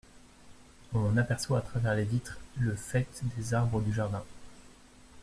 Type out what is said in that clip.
On aperçoit à travers les vitres le faîte des arbres du jardin.